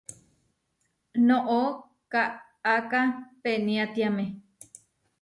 Noʼó kaʼáká peniátiame.